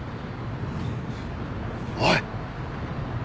おい！